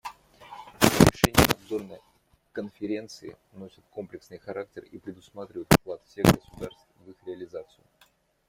Решения обзорной Конференции носят комплексный характер и предусматривают вклад всех государств в их реализацию.